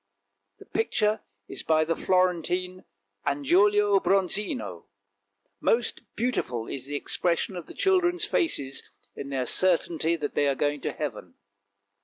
The picture is by the Florentine Angiolo Bronzino; most beautiful is the expression of the children's faces in their certainty that they are going to heaven.